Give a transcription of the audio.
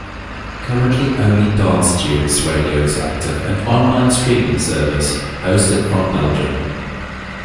Currently only Dance-Tunes Radio is active, an online streaming service hosted from Belgium.